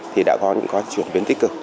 thì đã có những chuyển biến tích cực